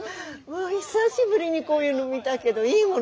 久しぶりにこういうの見たけどいいものね。